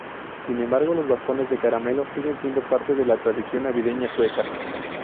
Sin embargo los bastones de caramelo siguen siendo parte de la tradición navideña sueca.